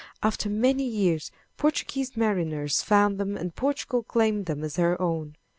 After many years Portuguese mariners found them and Portugal claimed them as her own.